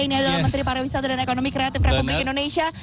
ini adalah menteri pariwisata dan ekonomi kreatif republik indonesia